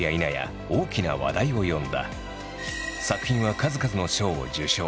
作品は数々の賞を受賞。